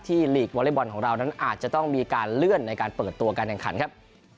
ลีกวอเล็กบอลของเรานั้นอาจจะต้องมีการเลื่อนในการเปิดตัวการแข่งขันครับ